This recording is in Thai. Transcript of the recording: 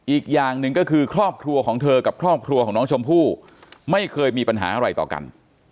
อีกอย่างหนึ่งก็คือครอบครัวของเธอกับครอบครัวของน้องชมพู่ไม่เคยมีปัญหาอะไรต่อกัน